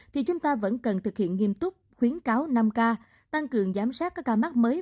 thì chúng ta vẫn cần thực hiện nghiêm túc khuyến cáo năm k tăng cường giám sát các ca mắc mới